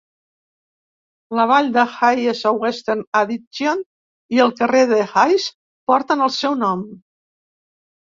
La vall de Hayes a Western Addition i el carrer de Hayes porten el seu nom.